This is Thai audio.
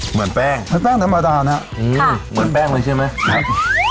เหมือนกับแป้งเลยใช่มั้ย